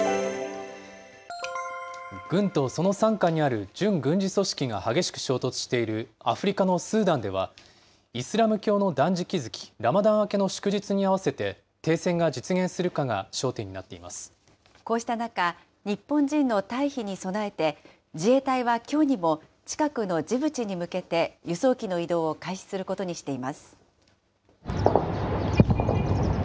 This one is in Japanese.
軍とその傘下にある準軍事組織が激しく衝突しているアフリカのスーダンでは、イスラム教の断食月、ラマダン明けの祝日に合わせて停戦が実現するかが焦点になっていこうした中、日本人の退避に備えて自衛隊はきょうにも近くのジブチに向けて、輸送機の移動を開始することにしています。